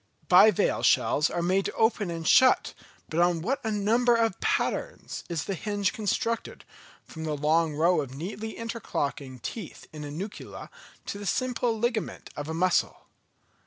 Bivalve shells are made to open and shut, but on what a number of patterns is the hinge constructed, from the long row of neatly interlocking teeth in a Nucula to the simple ligament of a Mussel!